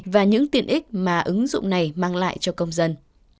và những tiện ích mà ứng dụng này mang lại cho công dân